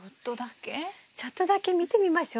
ちょっとだけ見てみましょうよ。